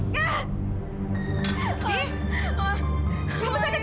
kamu sakit beneran